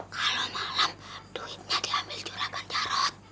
kalau malam duitnya diambil curagan carot